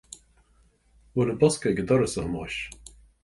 An bhfuil an bosca ag an doras, a Thomáis